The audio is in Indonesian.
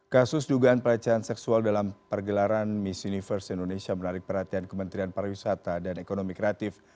kasus dugaan pelecehan seksual dalam pergelaran miss universe indonesia menarik perhatian kementerian pariwisata dan ekonomi kreatif